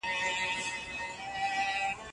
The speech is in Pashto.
آیا د وېروس د نوي ډوله په اړه مو معلومات ترلاسه کړي؟